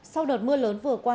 sau đợt mưa lớn vừa qua